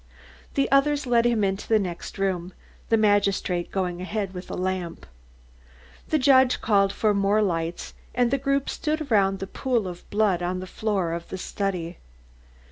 The others led him into the next room, the magistrate going ahead with a lamp. The judge called for more lights and the group stood around the pool of blood on the floor of the study.